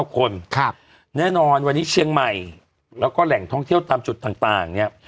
๙คนแน่นอนวันนี้เชียงใหม่แล้วก็แหล่งท่องเที่ยวตามจุดต่างเนี่ย